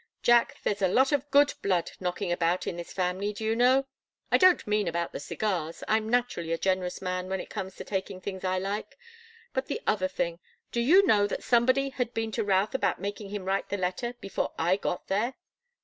Jack, there's a lot of good blood knocking about in this family, do you know? I don't mean about the cigars I'm naturally a generous man when it comes to taking things I like. But the other thing. Do you know that somebody had been to Routh about making him write the letter, before I got there?"